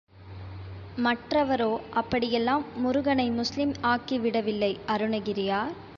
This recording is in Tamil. மற்றவரோ, அப்படியெல்லாம் முருகனை முஸ்லீம் ஆக்கிவிடவில்லை அருணகிரியார்.